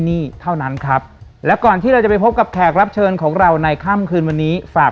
หนี้เท่านั้นครับและก่อนที่เราจะไปพบกับแขกรับเชิญของเราในค่ำคืนวันนี้ฝาก